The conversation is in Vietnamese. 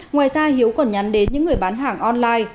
ngoài ra hiếu còn nhắm đến những người bán hàng online